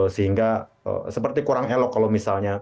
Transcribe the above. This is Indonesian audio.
sehingga seperti kurang elok kalau misalnya